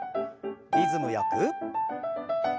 リズムよく。